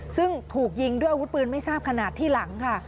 ซึ่งถูกยิงด้วยอาวุธปืนไม่ทราบขนาดที่หลังค่ะ